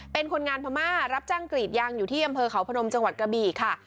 เป็นคนงานพม่ารับจ้างกรีดยางอยู่ที่อำเภอเขาพนมจังหวัดกระบี่ค่ะ